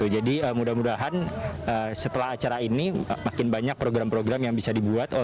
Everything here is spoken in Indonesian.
jadi mudah mudahan setelah acara ini makin banyak program program yang bisa dibuat